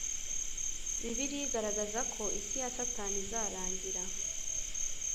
Bibiliya igaragaza ko isi ya Satani izarangira